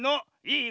いい？